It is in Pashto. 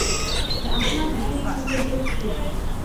د احمد زوی ووژل شو.